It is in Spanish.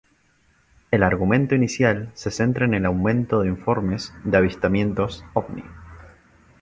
El argumento inicial se centra en el aumento de informes de avistamientos ovni.